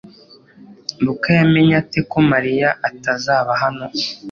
Luka yamenye ate ko Mariya atazaba hano